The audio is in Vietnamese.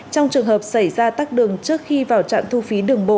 trong trường hợp xảy ra tắc đường trước khi vào trạm thu phí đường bộ